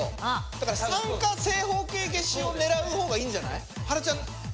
だから３か正方形消しを狙うほうがいいんじゃない？